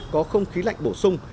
có không khí lạnh bổ sung